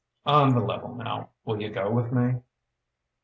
On the level, now: will you go with me?"